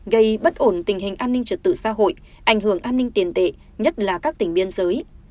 gây bất ổn tình hình an ninh trật tự xã hội ảnh hưởng an ninh tiền tệ nhất là các tỉnh biên giới